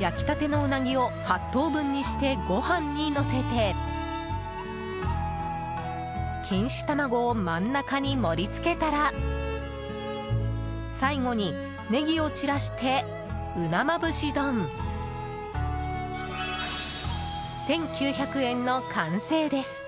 焼きたてのウナギを８等分にしてご飯にのせて錦糸卵を真ん中に盛り付けたら最後にネギを散らしてうなまぶし丼１９００円の完成です。